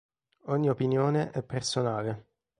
Ogni opinione è personale.